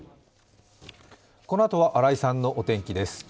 このあとは新井さんのお天気です。